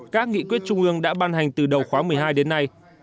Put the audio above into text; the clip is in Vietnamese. các nghị quyết trung ương đã ban hành từ đầu khóa một mươi hai đến nay